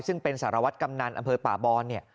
ซึ่งเป็นสารวัตรกำนันอำเภอป่าบอน